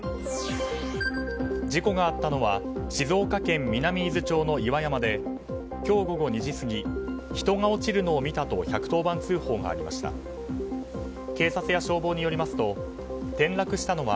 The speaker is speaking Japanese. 事故があったのは静岡県南伊豆町の岩山で今日午後２時過ぎ人が落ちるのを見たと１１０番通報がありました。